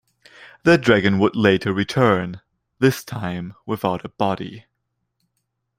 The Dragon would later return, this time without a body.